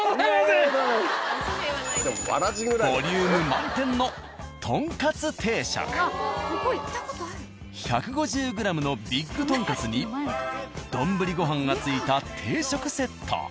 ボリューム満点の１５０ｇのビッグとんかつに丼ご飯が付いた定食セット。